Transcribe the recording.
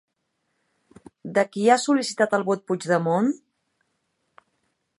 De qui ha sol·licitat el vot Puigdemont?